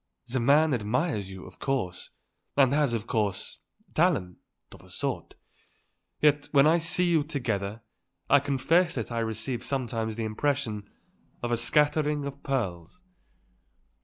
The man admires you, of course, and has, of course, talent of a sort. Yet, when I see you together, I confess that I receive sometimes the impression of a scattering of pearls."